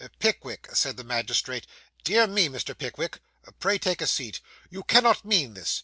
'Pickwick,' said the magistrate, 'dear me, Mr. Pickwick pray take a seat you cannot mean this?